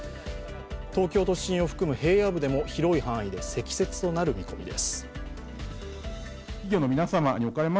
東京都心を含む平野部でも広い範囲で積雪となる見込みです。